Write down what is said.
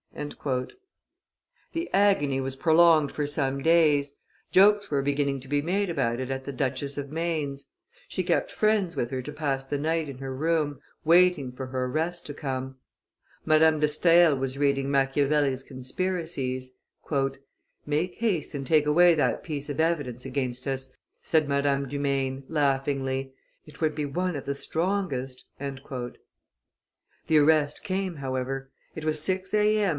'" The agony was prolonged for some days; jokes were beginning to be made about it at the Duchess of Maine's; she kept friends with her to pass the night in her room, waiting for her arrest to come. Madame de Stael was reading Machiavelli's conspiracies. "Make haste and take away that piece of evidence against us," said Madame du Maine, laughingly, "it would be one of the strongest." The arrest came, however; it was six A.M.